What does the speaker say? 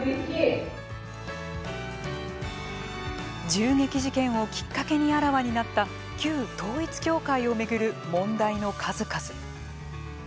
銃撃事件をきっかけにあらわになった旧統一教会を巡る、問題の数々。